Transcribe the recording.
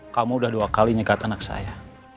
kamu udah dua kali nyekat anak saya